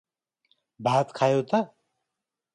भात खायौ त?